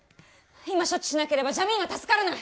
今処置しなければジャミーンは助からない！